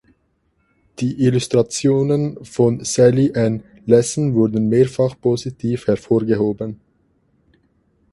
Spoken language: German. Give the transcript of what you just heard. Die Illustrationen von Sally Ann Lasson wurden mehrfach positiv hervorgehoben.